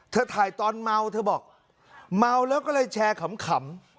ถ่ายตอนเมาเธอบอกเมาแล้วก็เลยแชร์ขำ